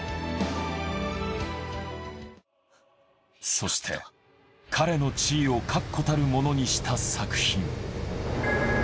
そして彼の地位を確固たるものにした作品。